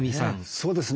そうですね